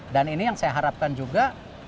dan ini yang saya harapkan juga